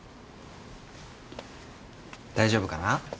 大丈夫かな？